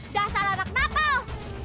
dasar anak anak kau